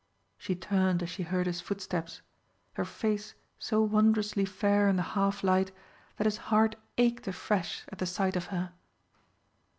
She turned as she heard his footsteps, her face so wondrously fair in the half light that his heart ached afresh at the sight of her.